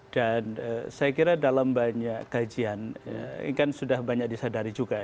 dan saya kira dalam banyak kajian ini kan sudah banyak disadari juga